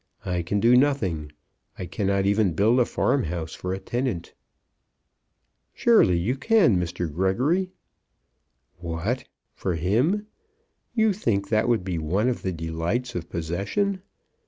I can do nothing. I cannot even build a farm house for a tenant." "Surely you can, Mr. Gregory." "What; for him! You think that would be one of the delights of possession?